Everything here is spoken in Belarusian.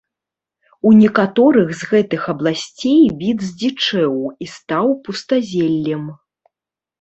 У некаторых з гэтых абласцей, від здзічэў і стаў пустазеллем.